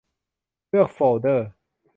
เลือกโฟลเดอร์